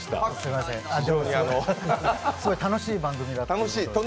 すごい楽しい番組だと。